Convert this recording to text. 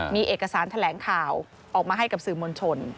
มีเอกสารแถลงข่าวออกมาให้กับสื่อมวลชน